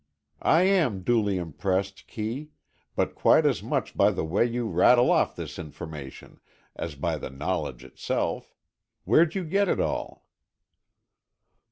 "I am duly impressed, Kee, but quite as much by the way you rattle off this information as by the knowledge itself. Where'd you get it all?"